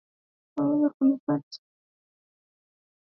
Waweza kunipata kwa ukweli?